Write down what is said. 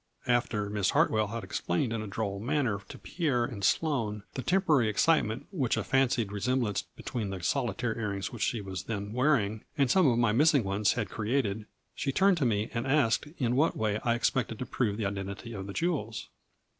After Miss Hartwell had explained in a droll manner to Pierre and Sloane the temporary ex citement which a fancied resemblance between the solitaire ear rings which she was then wear ing and some of my missing ones had created, she turned to me and asked in what way I ex pected to prove the identity of the jewels.